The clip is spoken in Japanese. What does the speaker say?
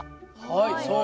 はい。